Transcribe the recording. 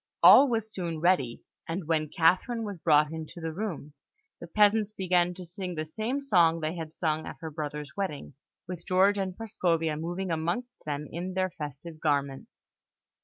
All were soon ready; and when Catherine was brought into the room, the peasants began to sing the same song they had sung at her brother's wedding, with George and Prascovia moving amongst them in their festive garments.